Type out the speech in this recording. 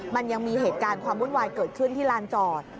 มันยังมีเหตุการณ์ความวุ่นวายเกิดขึ้นที่ลานจอด